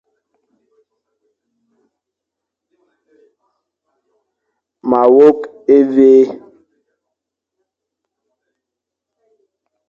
Ma wôkh évé.